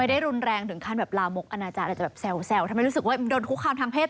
ไม่ได้รุนแรงถึงขั้นแบบลามกอนาจารย์แต่จะแซวทำให้รู้สึกว่ามันโดนคุกข้ามทางเพศ